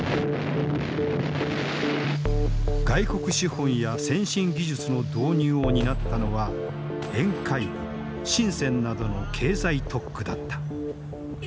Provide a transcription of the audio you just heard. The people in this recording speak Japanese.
外国資本や先進技術の導入を担ったのは沿海部深などの経済特区だった。